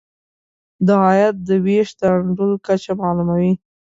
د عاید د وېش د انډول کچه معلوموي.